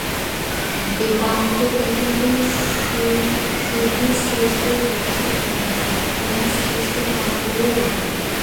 বেদান্ত পৃথিবীর শুধু শ্রেষ্ঠ দর্শনই নয়, ইহা শ্রেষ্ঠ কাব্যও বটে।